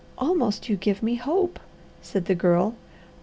"Almost you give me hope," said the Girl.